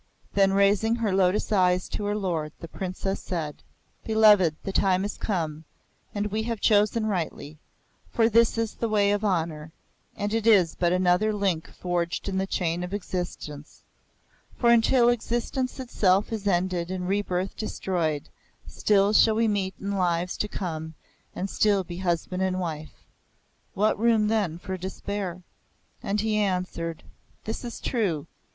Then, raising her lotus eyes to her lord, the Princess said, "Beloved, the time is come, and we have chosen rightly, for this is the way of honour, and it is but another link forged in the chain of existence; for until existence itself is ended and rebirth destroyed, still shall we meet in lives to come and still be husband and wife. What room then for despair?" And he answered, "This is true.